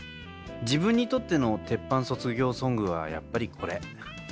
「自分にとっての鉄板卒業ソングはやっぱりこれ。